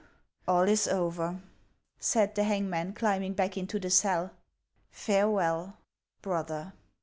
" All is over," said the hangman, climbing back into the cell. " Farewell, brother